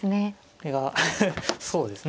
いやそうですね。